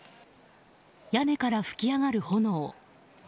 屋根から噴き上がる炎。